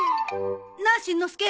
なあしんのすけ。